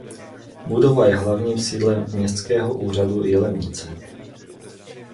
Budova je hlavním sídlem Městského úřadu Jilemnice.